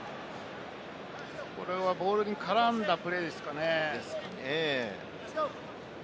これはボールに絡んだプレーですかね。